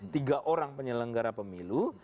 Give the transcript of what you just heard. tiga orang penyelenggara pemilu